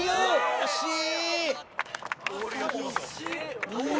惜しい！